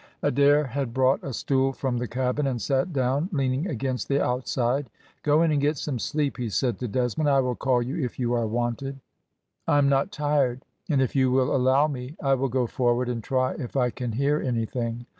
Adair had brought a stool from the cabin, and sat down, leaning against the outside. "Go in and get some sleep," he said to Desmond, "I will call you if you are wanted." "I am not tired, and if you will allow me I will go forward and try if I can hear anything.